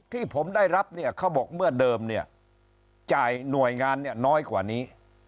ที่ผมได้รับเนี่ยเขาบอกเมื่อเดิมเนี่ยจ่ายหน่วยงานเนี่ยน้อยกว่านี้